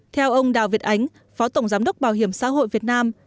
theo ông đào việt ánh phó tổng giám đốc bảo hiểm xã hội việt nam